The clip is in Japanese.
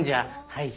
はい。